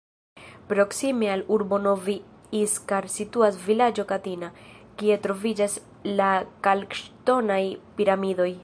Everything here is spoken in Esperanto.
Proksime al urbo Novi Iskar situas vilaĝo Katina, kie troviĝas la kalkŝtonaj piramidoj.